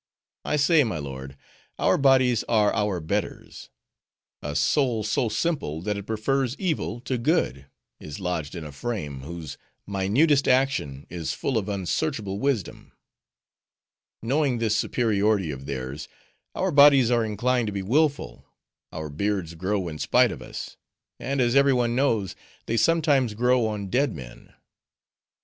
I say, my lord, our bodies are our betters. A soul so simple, that it prefers evil to good, is lodged in a frame, whose minutest action is full of unsearchable wisdom. Knowing this superiority of theirs, our bodies are inclined to be willful: our beards grow in spite of us; and as every one knows, they sometimes grow on dead men."